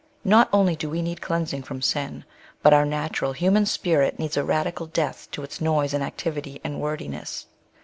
Not only do we need cleansing from sin, but our natural human spirit needs a radical death to its noise and activit}^ and w^ordiness.